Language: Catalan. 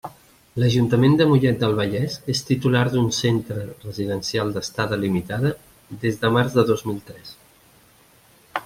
L'Ajuntament de Mollet del Vallès és titular d'un centre residencial d'estada limitada des de març de dos mil tres.